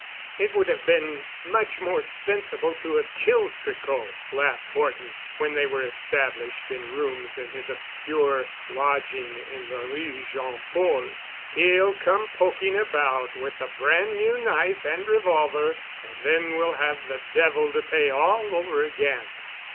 "It would have been much more sensible to have killed Tricot," laughed Horton when they were established in rooms in his obscure lodging in the Rue Jean Paul. "He'll come poking about with a brand new knife and revolver, and then we'll have the devil to pay all over again."